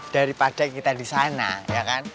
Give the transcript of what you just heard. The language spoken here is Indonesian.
daripada kita di sana ya kan